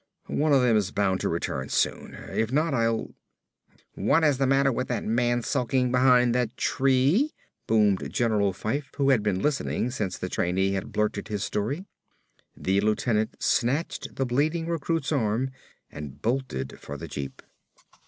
"One of them is bound to return soon. If not, I'll " "What is the matter with that man sulking behind that tree?" boomed General Fyfe who had been listening since the trainee had blurted his story. The lieutenant snatched the bleeding recruit's arm and bolted for the jeep.